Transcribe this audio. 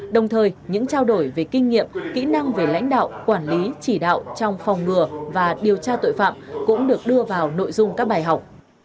đồng thời những trao đổi về kinh nghiệm kỹ năng về lãnh đạo quản lý chỉ đạo trong phòng ngừa và điều tra tội phạm cũng được đưa vào nội dung các bài học